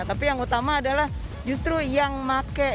tapi yang utama adalah justru yang pakai